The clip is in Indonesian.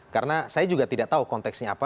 karena saya juga tidak tahu konteksnya apa